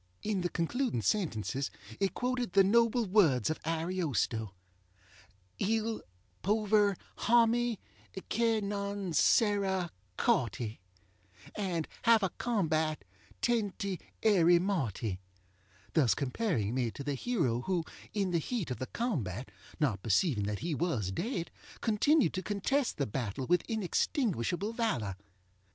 In the concluding sentences it quoted the noble words of AriostoŌĆö Il pover hommy che non sera corty And have a combat tenty erry morty; thus comparing me to the hero who, in the heat of the combat, not perceiving that he was dead, continued to contest the battle with inextinguishable valor.